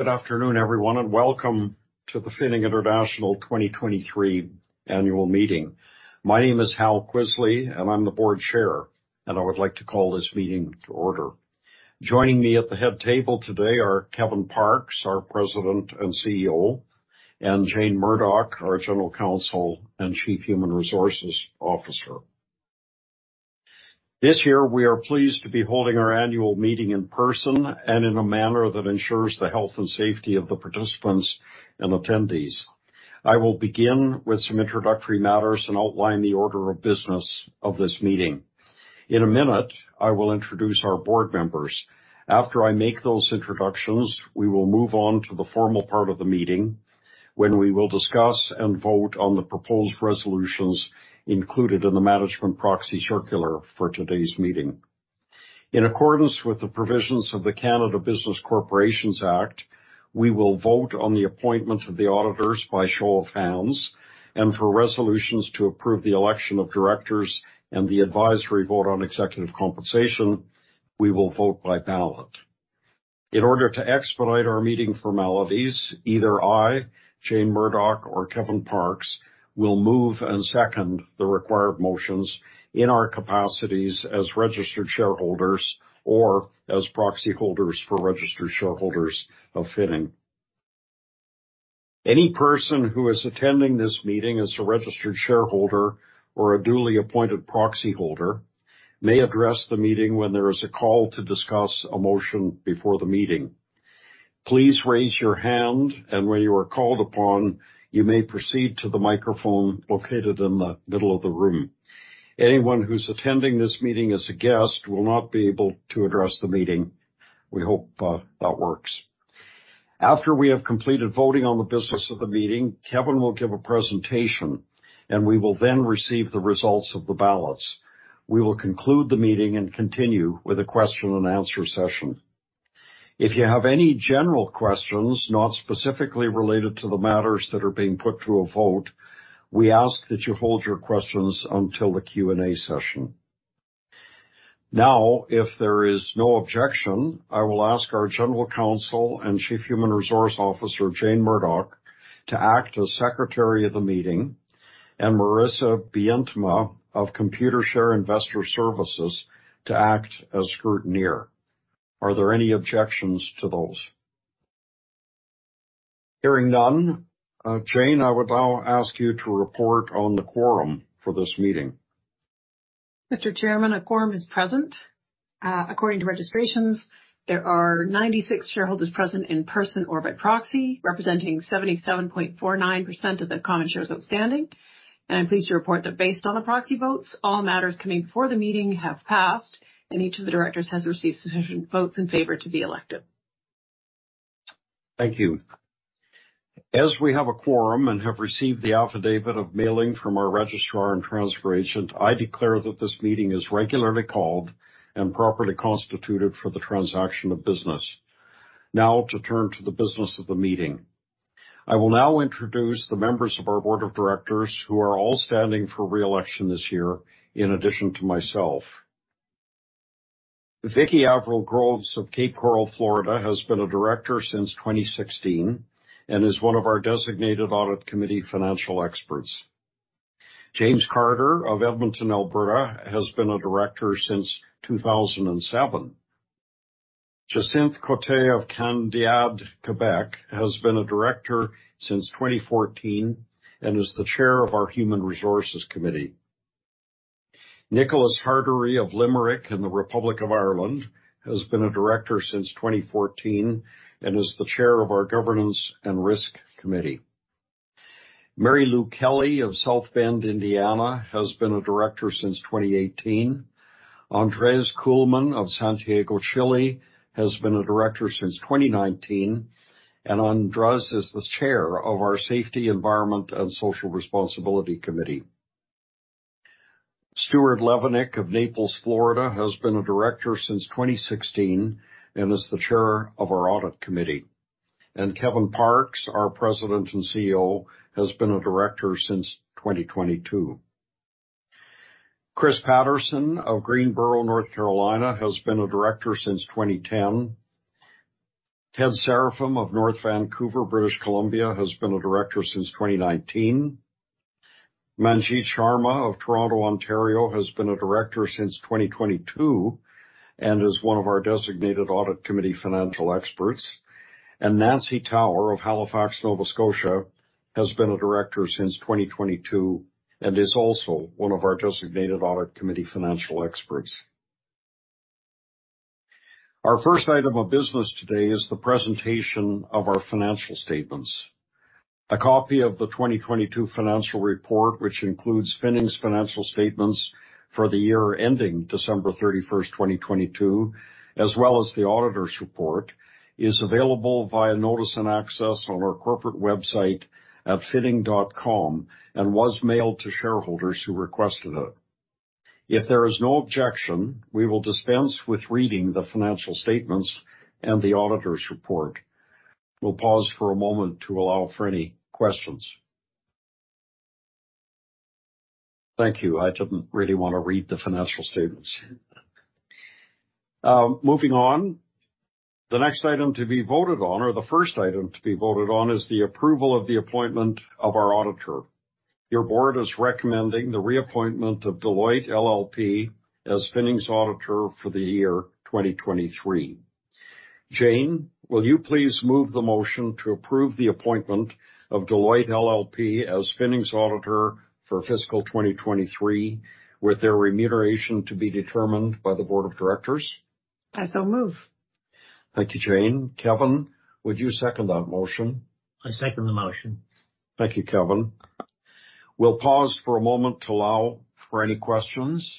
Good afternoon, everyone, welcome to the Finning International 2023 annual meeting. My name is Harold Kvisle, I'm the Board Chair, I would like to call this meeting to order. Joining me at the head table today are Kevin Parkes, our President and CEO, and Jane Murdoch, our General Counsel and Chief Human Resources Officer. This year we are pleased to be holding our annual meeting in person and in a manner that ensures the health and safety of the participants and attendees. I will begin with some introductory matters and outline the order of business of this meeting. In a minute, I will introduce our board members. After I make those introductions, we will move on to the formal part of the meeting when we will discuss and vote on the proposed resolutions included in the management proxy circular for today's meeting. In accordance with the provisions of the Canada Business Corporations Act, we will vote on the appointment of the auditors by show of hands and for resolutions to approve the election of directors and the advisory vote on executive compensation, we will vote by ballot. In order to expedite our meeting formalities, either I, Jane Murdoch, or Kevin Parkes will move and second the required motions in our capacities as registered shareholders or as proxy holders for registered shareholders of Finning. Any person who is attending this meeting as a registered shareholder or a duly appointed proxy holder may address the meeting when there is a call to discuss a motion before the meeting. Please raise your hand, and when you are called upon, you may proceed to the microphone located in the middle of the room. Anyone who's attending this meeting as a guest will not be able to address the meeting. We hope that works. After we have completed voting on the business of the meeting, Kevin will give a presentation, we will then receive the results of the ballots. We will conclude the meeting and continue with a question-and-answer session. If you have any general questions, not specifically related to the matters that are being put to a vote, we ask that you hold your questions until the Q&A session. If there is no objection, I will ask our General Counsel and Chief Human Resources Officer, Jane Murdoch, to act as Secretary of the meeting and Marissa Bientema of Computershare Investor Services to act as scrutineer. Are there any objections to those? Hearing none, Jane, I would now ask you to report on the quorum for this meeting. Mr. Chairman, a quorum is present. According to registrations, there are 96 shareholders present in person or by proxy, representing 77.49% of the common shares outstanding. I'm pleased to report that based on the proxy votes, all matters coming before the meeting have passed, and each of the directors has received sufficient votes in favor to be elected. Thank you. As we have a quorum and have received the affidavit of mailing from our registrar and transfer agent, I declare that this meeting is regularly called and properly constituted for the transaction of business. Now to turn to the business of the meeting. I will now introduce the members of our board of directors who are all standing for re-election this year in addition to myself. Vicki Avril-Groves of Cape Coral, Florida, has been a director since 2016 and is one of our designated Audit Committee financial experts. James Carter of Edmonton, Alberta, has been a director since 2007. Jacynthe Côté of Candiac, Quebec, has been a director since 2014 and is the Chair of our Human Resources Committee. Nicholas Hartery of Limerick in the Republic of Ireland, has been a director since 2014 and is the Chair of our Governance and Risk Committee. Mary Lou Kelley of South Bend, Indiana, has been a director since 2018. Andrés Kuhlmann of Santiago, Chile, has been a director since 2019. Andrés is the Chair of our Safety, Environment and Social Responsibility Committee. Stuart Levenick of Naples, Florida, has been a director since 2016 and is the Chair of our Audit Committee. Kevin Parkes, our President and CEO, has been a director since 2022. Christopher Patterson of Greensboro, North Carolina, has been a director since 2010. Edward Seraphim of North Vancouver, British Columbia, has been a director since 2019. Manjit Sharma of Toronto, Ontario, has been a director since 2022 and is one of our designated audit committee financial experts. Nancy Tower of Halifax, Nova Scotia, has been a director since 2022 and is also one of our designated Audit Committee financial experts. Our first item of business today is the presentation of our financial statements. A copy of the 2022 financial report, which includes Finning's financial statements for the year ending December 31st, 2022, as well as the auditor's report, is available via notice and access on our corporate website at finning.com and was mailed to shareholders who requested it. If there is no objection, we will dispense with reading the financial statements and the auditor's report. We'll pause for a moment to allow for any questions. Thank you. I didn't really wanna read the financial statements. Moving on. The next item to be voted on, or the first item to be voted on is the approval of the appointment of our auditor. Your board is recommending the reappointment of Deloitte LLP as Finning's auditor for the year 2023. Jane, will you please move the motion to approve the appointment of Deloitte LLP as Finning's auditor for fiscal 2023, with their remuneration to be determined by the board of directors? I so move. Thank you, Jane. Kevin, would you second that motion? I second the motion. Thank you, Kevin. We'll pause for a moment to allow for any questions.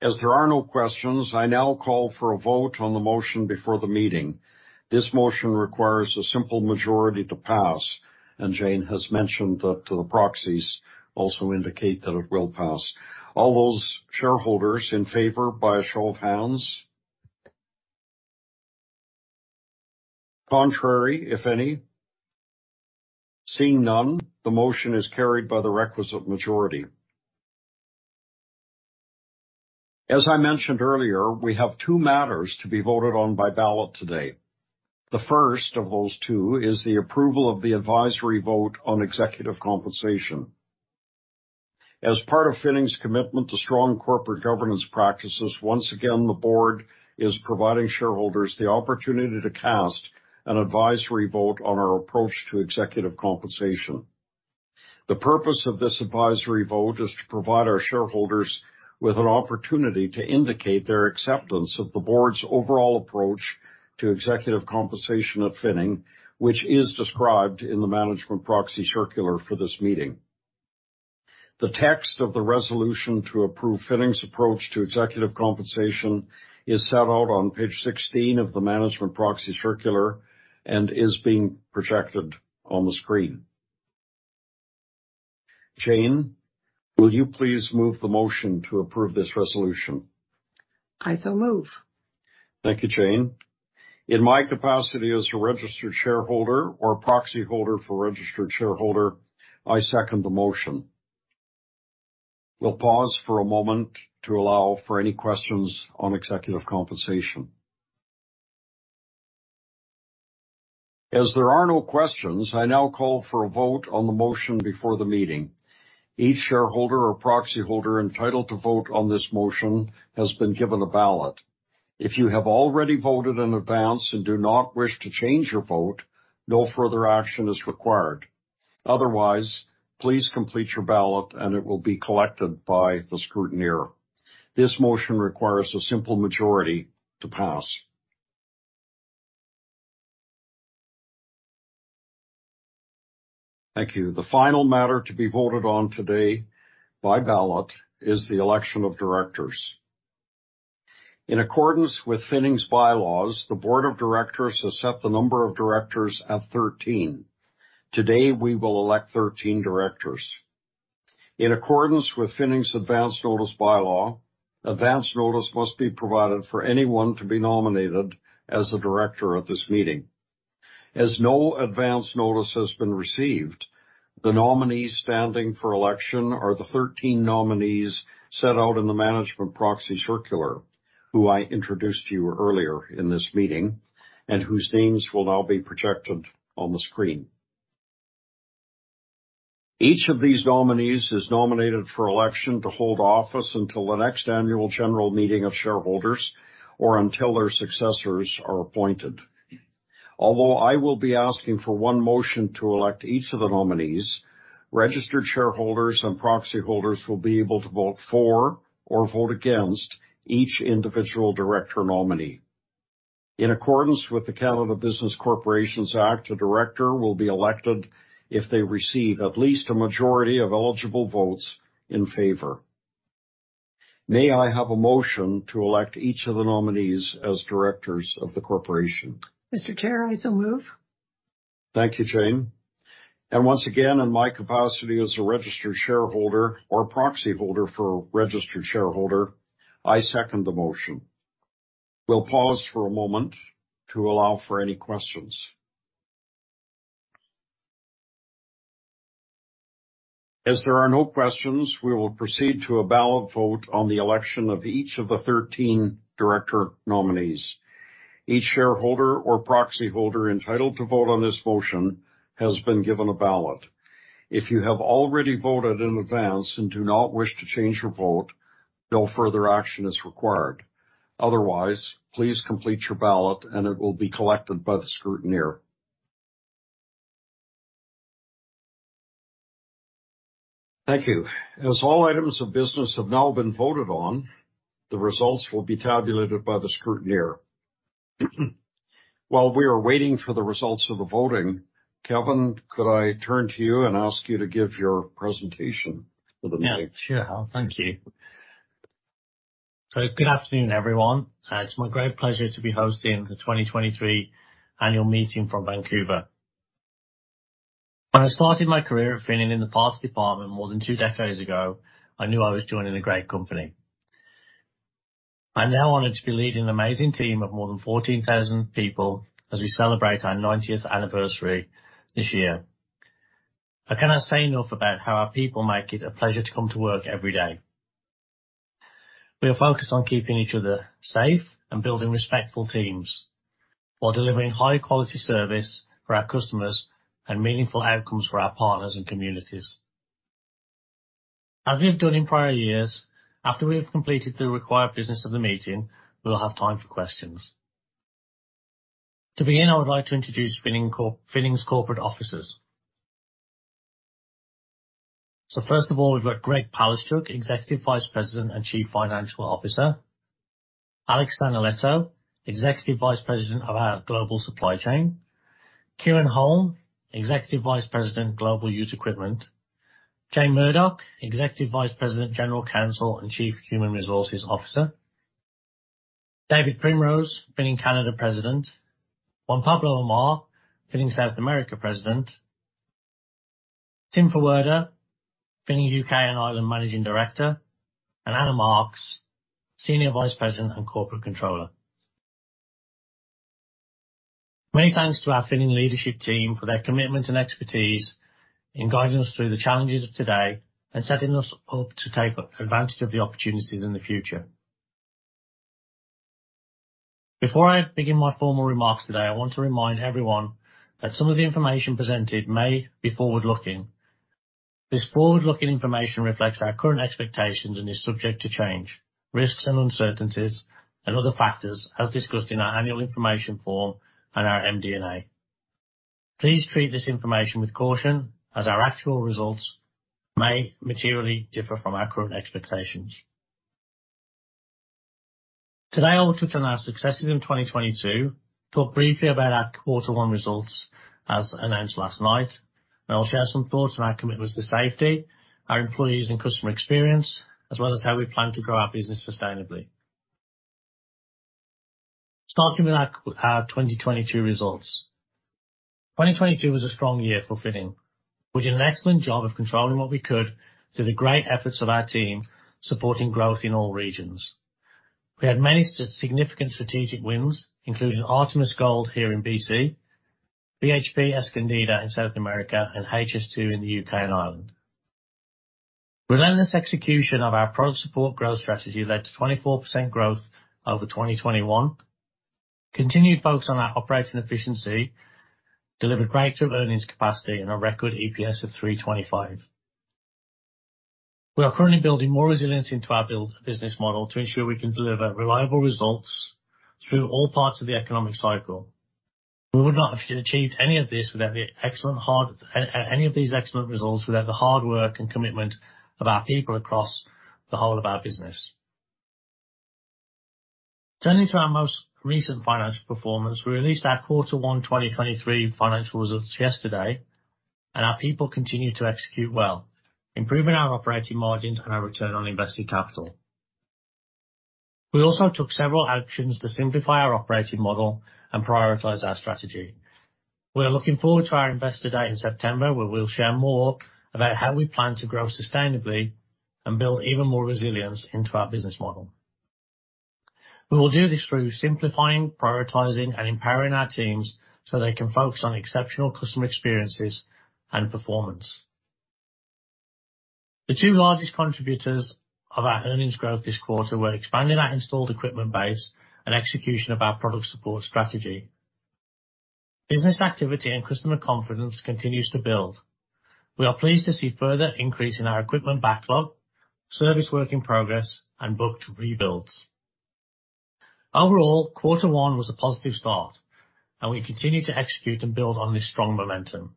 As there are no questions, I now call for a vote on the motion before the meeting. This motion requires a simple majority to pass, and Jane has mentioned that the proxies also indicate that it will pass. All those shareholders in favor by a show of hands. Contrary, if any. Seeing none, the motion is carried by the requisite majority. As I mentioned earlier, we have 2 matters to be voted on by ballot today. The first of those 2 is the approval of the advisory vote on executive compensation. As part of Finning's commitment to strong corporate governance practices, once again, the board is providing shareholders the opportunity to cast an advisory vote on our approach to executive compensation. The purpose of this advisory vote is to provide our shareholders with an opportunity to indicate their acceptance of the board's overall approach to executive compensation at Finning, which is described in the management proxy circular for this meeting. The text of the resolution to approve Finning's approach to executive compensation is set out on page 16 of the management proxy circular and is being projected on the screen. Jane, will you please move the motion to approve this resolution? I so move. Thank you, Jane. In my capacity as a registered shareholder or proxyholder for registered shareholder, I second the motion. We'll pause for a moment to allow for any questions on executive compensation. There are no questions, I now call for a vote on the motion before the meeting. Each shareholder or proxyholder entitled to vote on this motion has been given a ballot. If you have already voted in advance and do not wish to change your vote, no further action is required. Otherwise, please complete your ballot and it will be collected by the scrutineer. This motion requires a simple majority to pass. Thank you. The final matter to be voted on today by ballot is the election of directors. In accordance with Finning's bylaws, the board of directors has set the number of directors at 13. Today, we will elect 13 directors. In accordance with Finning's advanced notice bylaw, advanced notice must be provided for anyone to be nominated as a director at this meeting. As no advanced notice has been received, the nominees standing for election are the 13 nominees set out in the management proxy circular, who I introduced to you earlier in this meeting and whose names will now be projected on the screen. Each of these nominees is nominated for election to hold office until the next annual general meeting of shareholders or until their successors are appointed. Although I will be asking for one motion to elect each of the nominees, registered shareholders and proxyholders will be able to vote for or vote against each individual director nominee. In accordance with the Canada Business Corporations Act, a director will be elected if they receive at least a majority of eligible votes in favor. May I have a motion to elect each of the nominees as directors of the corporation? Mr. Chair, I so move. Thank you, Jane. Once again, in my capacity as a registered shareholder or proxyholder for registered shareholder, I second the motion. We'll pause for a moment to allow for any questions. As there are no questions, we will proceed to a ballot vote on the election of each of the 13 director nominees. Each shareholder or proxyholder entitled to vote on this motion has been given a ballot. If you have already voted in advance and do not wish to change your vote, no further action is required. Otherwise, please complete your ballot and it will be collected by the scrutineer. Thank you. As all items of business have now been voted on, the results will be tabulated by the scrutineer. While we are waiting for the results of the voting, Kevin, could I turn to you and ask you to give your presentation for the meeting? Yeah, sure. Thank you. Good afternoon, everyone. It's my great pleasure to be hosting the 2023 annual meeting from Vancouver. When I started my career at Finning in the parts department more than 2 decades ago, I knew I was joining a great company. I'm now honored to be leading an amazing team of more than 14,000 people as we celebrate our 90th anniversary this year. I cannot say enough about how our people make it a pleasure to come to work every day. We are focused on keeping each other safe and building respectful teams while delivering high-quality service for our customers and meaningful outcomes for our partners and communities. As we have done in prior years, after we have completed the required business of the meeting, we'll have time for questions. To begin, I would like to introduce Finning's corporate officers. First of all, we've got Greg Palaschuk, Executive Vice President and Chief Financial Officer. Alessandro (Alex) Salvietti, Executive Vice President of our Global Supply Chain. Kieran Holm, Executive Vice President, Global Used Equipment. Jane Murdoch, Executive Vice President, General Counsel and Chief Human Resources Officer. David Primrose, Finning Canada President. Juan Pablo Amar, Finning South America President. Tim Ferwerda, Finning UK and Ireland Managing Director, and Anna Marks, Senior Vice President and Corporate Controller. Many thanks to our Finning leadership team for their commitment and expertise in guiding us through the challenges of today and setting us up to take advantage of the opportunities in the future. Before I begin my formal remarks today, I want to remind everyone that some of the information presented may be forward-looking. This forward-looking information reflects our current expectations and is subject to change, risks and uncertainties and other factors as discussed in our annual information form and our MD&A. Please treat this information with caution as our actual results may materially differ from our current expectations. Today, I'll touch on our successes in 2022, talk briefly about our Q1 results as announced last night, and I'll share some thoughts on our commitments to safety, our employees and customer experience, as well as how we plan to grow our business sustainably. Starting with our 2022 results. 2022 was a strong year for Finning. We did an excellent job of controlling what we could through the great efforts of our team supporting growth in all regions. We had many significant strategic wins, including Artemis Gold here in BC, BHP Escondida in South America, and HS2 in the UK and Ireland. Relentless execution of our product support growth strategy led to 24% growth over 2021. Continued focus on our operating efficiency delivered greater earnings capacity and a record EPS of 3.25. We are currently building more resilience into our build business model to ensure we can deliver reliable results through all parts of the economic cycle. We would not have achieved any of these excellent results without the hard work and commitment of our people across the whole of our business. Turning to our most recent financial performance, we released our quarter one 2023 financial results yesterday, our people continued to execute well, improving our operating margins and our return on invested capital. We also took several actions to simplify our operating model and prioritize our strategy. We are looking forward to our investor day in September, where we'll share more about how we plan to grow sustainably and build even more resilience into our business model. We will do this through simplifying, prioritizing, and empowering our teams, so they can focus on exceptional customer experiences and performance. The two largest contributors of our earnings growth this quarter were expanding our installed equipment base and execution of our product support strategy. Business activity and customer confidence continues to build. We are pleased to see further increase in our equipment backlog, service work in progress, and booked rebuilds. Overall, quarter one was a positive start. We continue to execute and build on this strong momentum.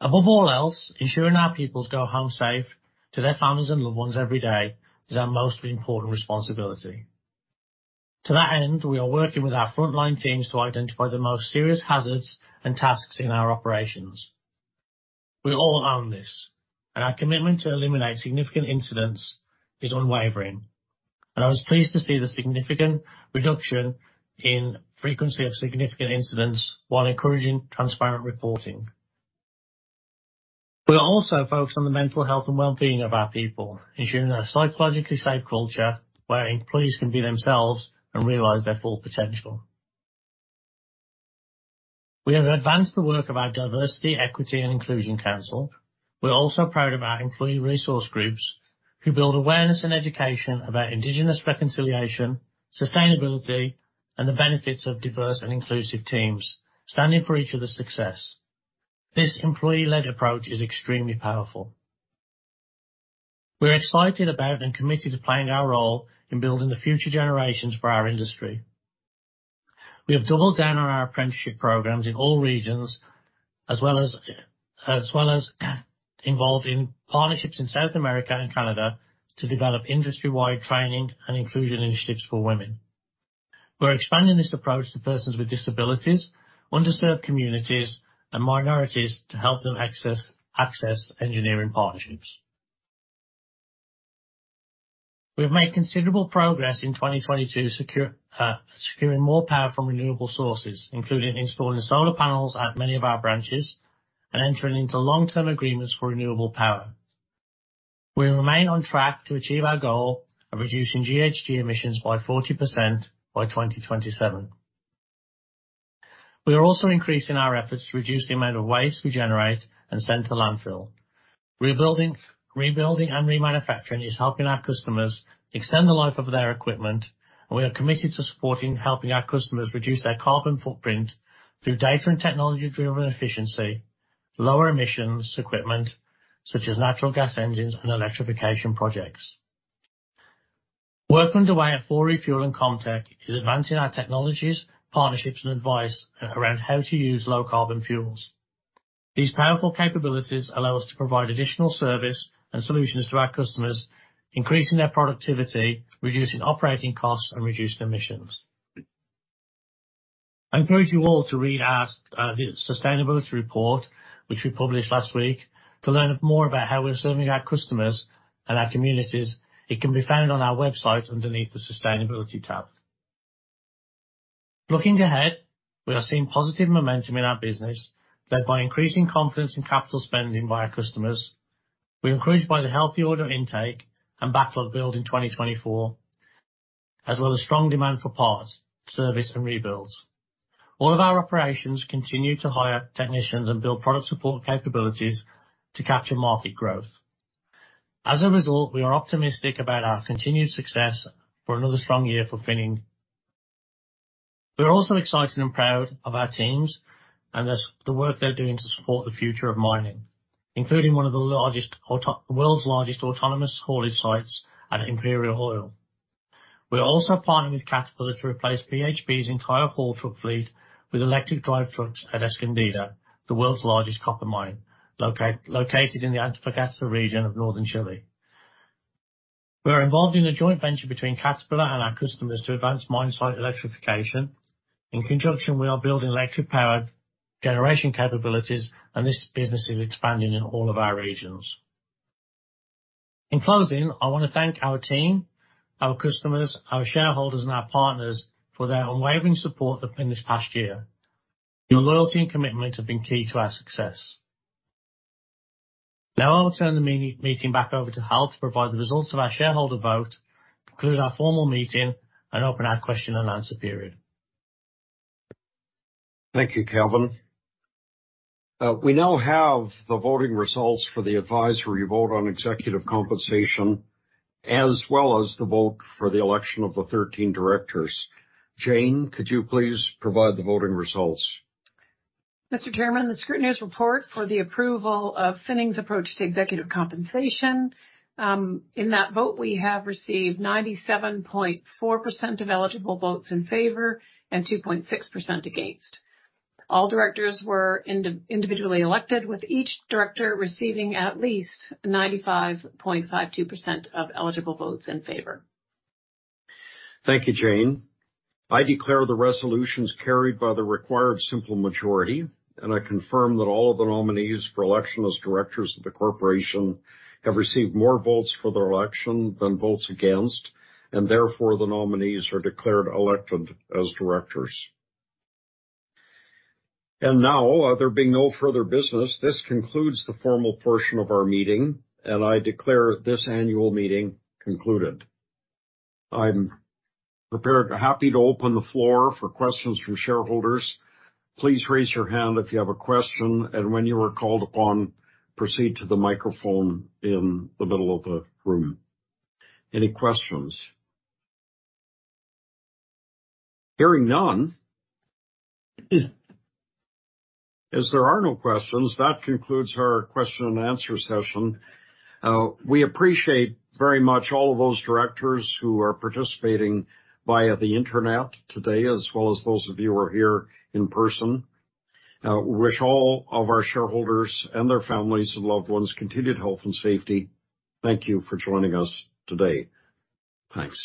Above all else, ensuring our peoples go home safe to their families and loved ones every day is our most important responsibility. To that end, we are working with our frontline teams to identify the most serious hazards and tasks in our operations. We all own this, our commitment to eliminate significant incidents is unwavering. I was pleased to see the significant reduction in frequency of significant incidents while encouraging transparent reporting. We are also focused on the mental health and well-being of our people, ensuring a psychologically safe culture where employees can be themselves and realize their full potential. We have advanced the work of our Diversity, Equity and Inclusion Council. We're also proud of our employee resource groups, who build awareness and education about indigenous reconciliation, sustainability, and the benefits of diverse and inclusive teams standing for each other's success. This employee-led approach is extremely powerful. We're excited about and committed to playing our role in building the future generations for our industry. We have doubled down on our apprenticeship programs in all regions, as well as involved in partnerships in South America and Canada to develop industry-wide training and inclusion initiatives for women. We're expanding this approach to persons with disabilities, underserved communities, and minorities to help them access engineering partnerships. We have made considerable progress in 2022, securing more power from renewable sources, including installing solar panels at many of our branches. Entering into long-term agreements for renewable power. We remain on track to achieve our goal of reducing GHG emissions by 40% by 2027. We are also increasing our efforts to reduce the amount of waste we generate and send to landfill. Rebuilding and remanufacturing is helping our customers extend the life of their equipment, and we are committed to helping our customers reduce their carbon footprint through data and technology-driven efficiency, lower emissions equipment such as natural gas engines and electrification projects. Work underway at 4Refuel and ComTech is advancing our technologies, partnerships, and advice around how to use low carbon fuels. These powerful capabilities allow us to provide additional service and solutions to our customers, increasing their productivity, reducing operating costs and reducing emissions. I encourage you all to read our sustainability report, which we published last week to learn more about how we're serving our customers and our communities. It can be found on our website underneath the Sustainability tab. Looking ahead, we are seeing positive momentum in our business, led by increasing confidence in capital spending by our customers. We are encouraged by the healthy order intake and backlog build in 2024, as well as strong demand for parts, service and rebuilds. All of our operations continue to hire technicians and build product support capabilities to capture market growth. As a result, we are optimistic about our continued success for another strong year for Finning. We are also excited and proud of our teams and the work they're doing to support the future of mining, including one of the world's largest autonomous hauling sites at Imperial Oil. We are also partnering with Caterpillar to replace BHP's entire haul truck fleet with electric drive trucks at Escondida, the world's largest copper mine, located in the Antofagasta region of northern Chile. We are involved in a joint venture between Caterpillar and our customers to advance mine site electrification. In conjunction, we are building electric powered generation capabilities and this business is expanding in all of our regions. In closing, I wanna thank our team, our customers, our shareholders, and our partners for their unwavering support in this past year. Your loyalty and commitment have been key to our success. Now I will turn the meeting back over to Hal to provide the results of our shareholder vote, conclude our formal meeting, and open our question-and-answer period. Thank you, Calvin, we now have the voting results for the advisory vote on executive compensation, as well as the vote for the election of the 13 directors. Jane, could you please provide the voting results? Mr. Chairman, the scrutineer's report for the approval of Finning's approach to executive compensation. In that vote, we have received 97.4% of eligible votes in favor and 2.6% against. All directors were individually elected, with each director receiving at least 95.52% of eligible votes in favor. Thank you, Jane. I declare the resolutions carried by the required simple majority, I confirm that all of the nominees for election as directors of the corporation have received more votes for their election than votes against, and therefore the nominees are declared elected as directors. Now, there being no further business, this concludes the formal portion of our meeting, and I declare this annual meeting concluded. I'm prepared and happy to open the floor for questions from shareholders. Please raise your hand if you have a question, and when you are called upon, proceed to the microphone in the middle of the room. Any questions? Hearing none. As there are no questions, that concludes our question-and-answer session. We appreciate very much all of those directors who are participating via the internet today, as well as those of you who are here in person. Wish all of our shareholders and their families and loved ones continued health and safety. Thank you for joining us today. Thanks.